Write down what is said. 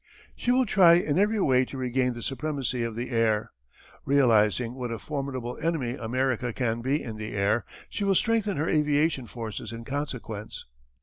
She will try in every way to regain the supremacy of the air. Realizing what a formidable enemy America can be in the air, she will strengthen her aviation forces in consequence.